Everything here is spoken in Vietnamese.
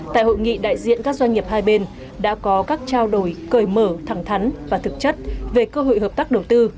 tại hội nghị đại diện các doanh nghiệp hai bên đã có các trao đổi cởi mở thẳng thắn và thực chất về cơ hội hợp tác đầu tư